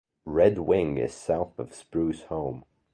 Red Wing is south of Spruce Home.